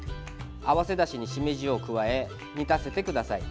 合わせだしに、しめじを加え煮立たせてください。